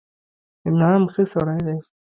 انعام ښه سړى دئ.